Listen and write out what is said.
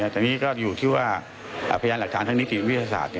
แต่นี่ก็อยู่ที่ว่าพยานหลักฐานทางนิติวิทยาศาสตร์